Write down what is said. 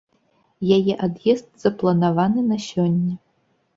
Яе ад'езд запланаваны на сёння.